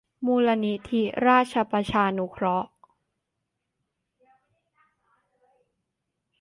มูลนิธิราชประชานุเคราะห์